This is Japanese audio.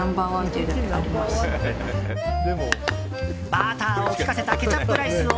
バターを効かせたケチャップライスを